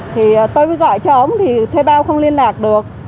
thì tôi mới gọi cho ông thì thuê bao không liên lạc được